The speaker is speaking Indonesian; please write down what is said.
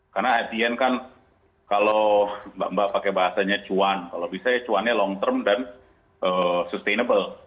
karena at the end kan kalau mbak mbak pakai bahasanya cuan kalau bisa cuannya long term dan sustainable